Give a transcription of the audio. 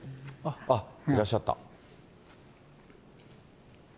あっ、いらっしゃった。